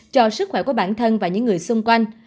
cho sức khỏe của bản thân và những người xung quanh